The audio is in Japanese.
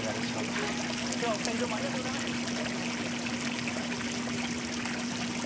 今日はお二人どうもありがとうございました。